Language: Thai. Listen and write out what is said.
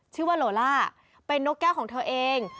ชื่อว่าโลล่าเป็นนกแก้วของเธอเอง